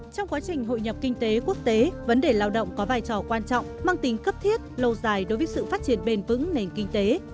trong quá trình hội nhập kinh tế quốc tế vấn đề lao động có vai trò quan trọng mang tính cấp thiết lâu dài đối với sự phát triển bền vững nền kinh tế